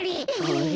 あれ？